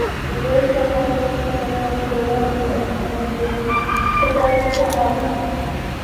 وَلِذَلِكَ قَالَتْ الْحُكَمَاءُ دَوَاءُ الْمَوَدَّةِ كَثْرَةُ التَّعَاهُدِ